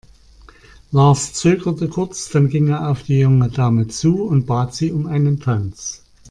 Lars zögerte kurz, dann ging er auf die junge Dame zu und bat sie um einen Tanz.